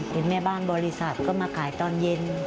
แม่บ้านบริษัทก็มาขายตอนเย็น